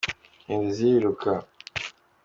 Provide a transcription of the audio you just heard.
inkende ziriruka.